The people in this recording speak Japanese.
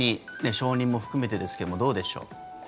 承認も含めてですけどもどうでしょう。